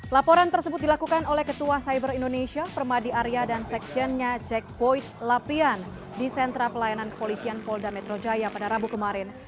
laporan tersebut dilakukan oleh ketua cyber indonesia permadi arya dan sekjennya jack boyd lapian di sentra pelayanan kepolisian polda metro jaya pada rabu kemarin